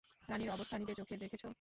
রানির অবস্থা নিজের চোখে দেখেছ!